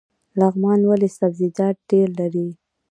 لغمان ولې سبزیجات ډیر لري؟